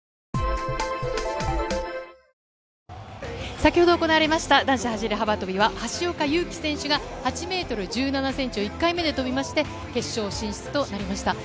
先ほど行われました男子走り幅跳びは橋岡優輝選手が８ｍ１７ｃｍを１回目を跳びまして決勝進出となりました。